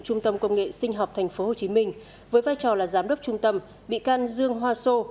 trung tâm công nghệ sinh học tp hcm với vai trò là giám đốc trung tâm bị can dương hoa sô